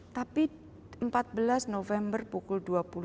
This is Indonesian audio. tapi empat belas november pukul dua puluh